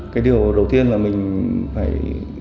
cái điều đầu tiên là mình phải